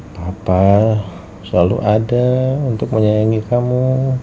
papa selalu ada untuk menyayangi kamu